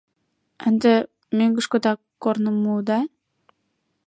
— Ынде мӧҥгышкыда корным муыда?